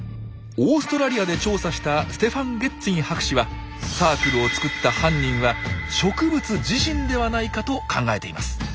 オーストラリアで調査したステファン・ゲッツィン博士はサークルを作った犯人は植物自身ではないかと考えています。